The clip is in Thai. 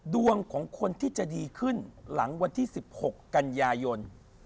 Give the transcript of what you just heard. ดวงของคนที่จะดีขึ้นหลังวันที่๑๖กันยายน